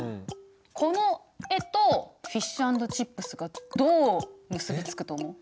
この絵とフィッシュ＆チップスがどう結び付くと思う？